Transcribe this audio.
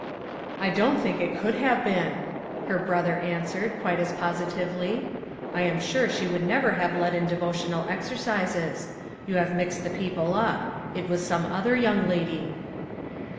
" T don't think it could have been," her brother answered, quite as positively. " I am sure she would never have led in devotional exercises. You have mixed the people up. It was some other youn;^ lady."